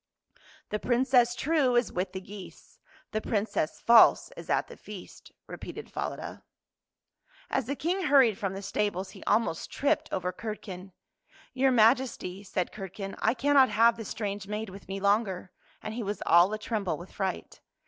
" The Princess true is with the geese. The Princess false is at the feast." repeated Falada. As the King hurried from the stables he almost tripped over Curdken. " Your Maj esty," said Curdken, '' I cannot have this strange maid with me longer," and he was all a tremble with fright.